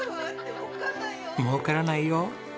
「もうからないよ」